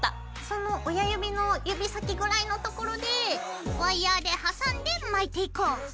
その親指の指先ぐらいの所でワイヤーで挟んで巻いていこう！